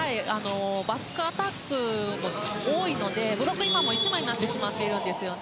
バックアタックも多いのでブロック今も１枚になってしまっているんですよね。